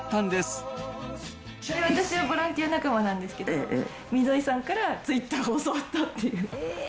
私はボランティア仲間なんですけど、溝井さんからツイッターを教わったっていう。